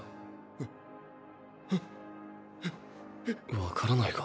わからないか？